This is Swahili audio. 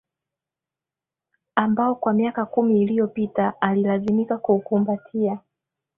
ambao kwa miaka kumi iliyopita alilazimika kuukumbatia